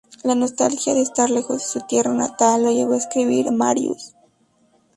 La nostalgia de estar lejos de su tierra natal lo llevó a escribir "Marius".